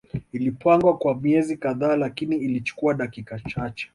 Ilipangwa kwa miezi kadhaa lakini ilichukua dakika chache